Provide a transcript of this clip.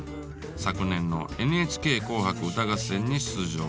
昨年の「ＮＨＫ紅白歌合戦」に出場。